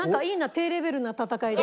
低レベルな戦いで。